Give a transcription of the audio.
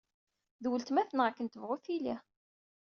D weltma-tneɣ akken tebɣu tili